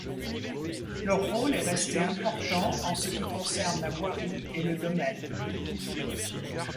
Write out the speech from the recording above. Leur rôle est resté important en ce qui concerne la voirie et le domaine.